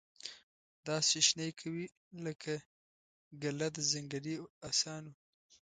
داسي شیشنی کوي لکه ګله د ځنګلې اسانو